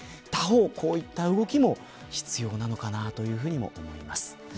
他方、こういった動きも必要なのかなと思います。